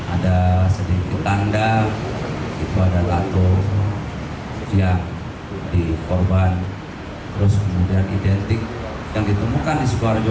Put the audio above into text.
ada sedikit tanda itu ada lato yang dikorban terus kemudian identik yang ditemukan di sidoarjo